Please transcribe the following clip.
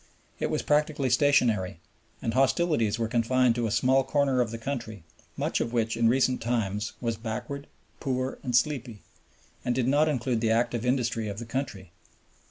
It was practically stationary, and hostilities were confined to a small corner of the country, much of which in recent times was backward, poor, and sleepy, and did not include the active industry of the country.